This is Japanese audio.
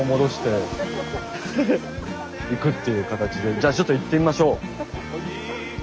じゃあちょっと行ってみましょう。